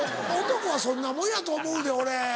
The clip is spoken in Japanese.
男はそんなもんやと思うで俺。